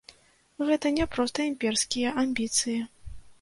Гэта не проста імперскія амбіцыі.